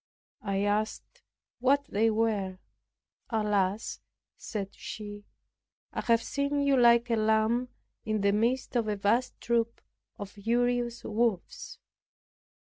I asked what they were, "Alas" said she, "I have seen you like a lamb in the midst of a vast troop of furious wolves.